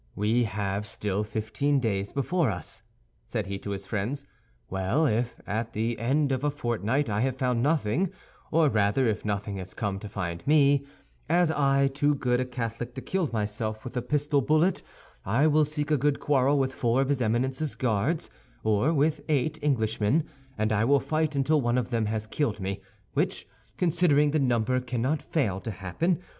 "We have still fifteen days before us," said he to his friends, "well, if at the end of a fortnight I have found nothing, or rather if nothing has come to find me, as I, too good a Catholic to kill myself with a pistol bullet, I will seek a good quarrel with four of his Eminence's Guards or with eight Englishmen, and I will fight until one of them has killed me, which, considering the number, cannot fail to happen.